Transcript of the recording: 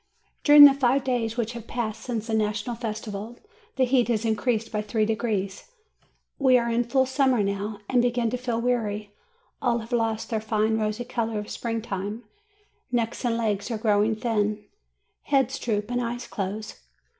During the five days which have passed since the National Festival, the heat has increased by three degrees. We are in full summer now, and begin to feel weary ; all have lost their fine rosy color of spring time; necks and legs are growing thin, heads droop and eyes close.